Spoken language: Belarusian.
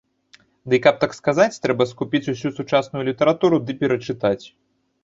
Дый каб так сказаць, трэба скупіць усю сучасную літаратуру ды перачытаць.